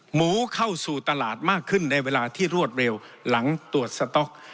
หมูเข้าสู่ตลาดมากขึ้นในเวลาที่รวดเร็วหลังตรวจสต๊อก